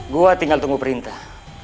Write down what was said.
gue tinggal tunggu perintah